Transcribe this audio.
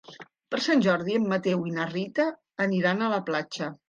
Per Sant Jordi en Mateu i na Rita aniran a la platja.